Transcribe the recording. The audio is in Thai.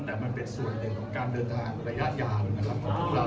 แต่มันเป็นส่วนหนึ่งของการเดินทางระยะยาวนะครับของพวกเรา